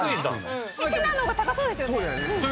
テナーの方が高そうですよね。